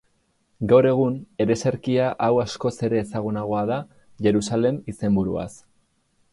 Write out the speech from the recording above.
Gaur egun ereserkia hau askoz ere ezagunagoa da Jerusalem izenburuaz.